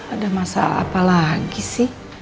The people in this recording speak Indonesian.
ada masalah apa lagi sih